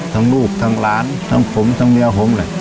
ทั้งลูกทั้งหลานทั้งผมทั้งเมียผมเลย